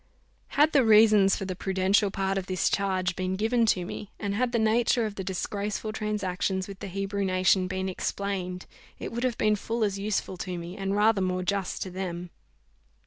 Had the reasons for the prudential part of this charge been given to me, and had the nature of the disgraceful transactions with the Hebrew nation been explained, it would have been full as useful to me, and rather more just to them.